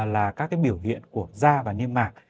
là các biểu hiện của da và niêm mạc